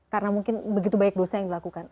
karena mungkin begitu banyak dosa yang dilakukan